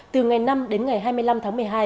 từ ngày năm đến ngày hai mươi năm tháng một mươi hai